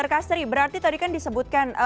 kastri berarti tadi kan disebutkan